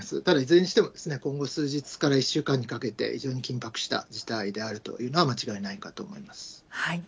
ただいずれにしても、今後、数日から１週間にかけて、非常に緊迫した事態であるというのは間違いないかと思います。